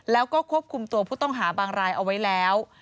แล้วก็ควบคุมตัวผู้ต้องหาบางรายเอาไว้แล้ว